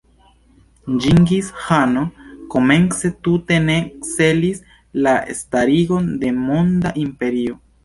Ĝingis-ĥano komence tute ne celis la starigon de monda imperio.